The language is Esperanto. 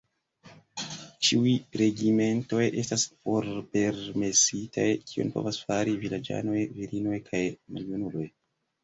Ĉiuj regimentoj estas forpermesitaj, kion povas fari vilaĝanoj, virinoj kaj maljunuloj?